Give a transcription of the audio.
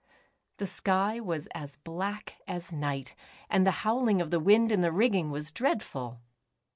The sky was as black as night, and the howling of the wind in the rigging was dread ful.